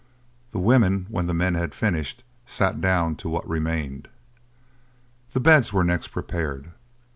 The women, when the men had finished, sat down to what remained. The beds were next prepared.